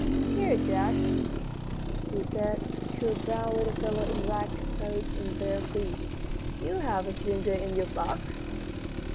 "Here, Jack," he said, to a brown little fellow in ragged clothes and bare feet, "you have a singer in your box."